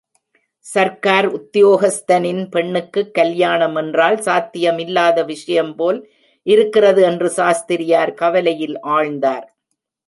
சர்க்கார் உத்தியோகஸ்தனின் பெண்ணுக்குக் கல்யாண மென்றால் சாத்தியமில்லாத விஷயம்போல் இருக்கிறது என்று சாஸ்திரியார் கவலையில் ஆழ்ந்தார்.